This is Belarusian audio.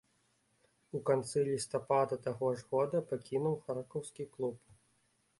У канцы лістапада таго ж года пакінуў харкаўскі клуб.